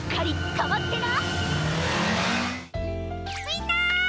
みんな！